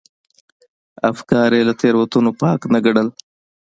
افکار یې له تېروتنو پاک نه ګڼل.